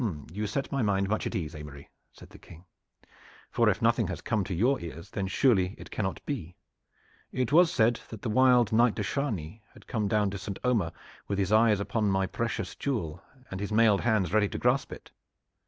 "You set my mind much at ease, Aymery," said the King; "for if nothing has come to your ears, then surely it cannot be. It was said that the wild Knight de Chargny had come down to St. Omer with his eyes upon my precious jewel and his mailed hands ready to grasp it."